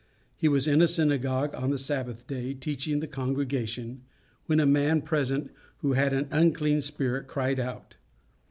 He was in the synagogue on the Sabbath day, teaching the congregation, when a man present, who had an unclean spirit, cried out.